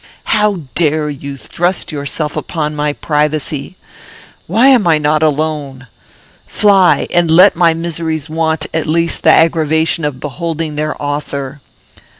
"How dare you thrust yourself upon my privacy? Why am I not alone? Fly! and let my miseries want, at least, the aggravation of beholding their author.